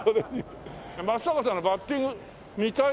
松坂さんのバッティング見たいけど。